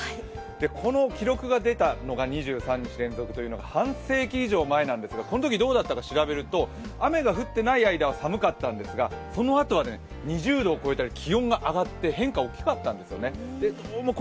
この記録が出たのが半世紀以上前なんですが、このときどうだったか調べると雨が降っていない間は寒かったんですが、そのあとは、２０度を超えたり、気温が上がって変化が大きかったんですよね。